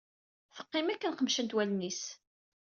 Teqqim akken qemcent wallen-is.